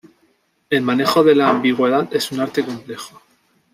El manejo de la ambigüedad es un arte complejo.